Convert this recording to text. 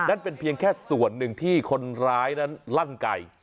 นั่นเป็นเพียงแค่ส่วนหนึ่งที่คนร้ายนั้นลั่นไก่